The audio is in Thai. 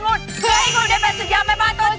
เพื่อให้คุณได้เป็นสุดยอดแม่บ้านตัวจริง